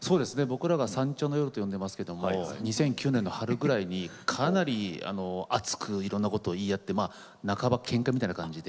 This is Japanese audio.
僕らが「三茶の夜」と呼んでますけども２００９年の春くらいにかなり熱くいろんなことを言い合ってまあ半ばけんかみたいな感じで。